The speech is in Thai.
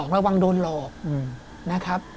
๒ระวังโดนหลอก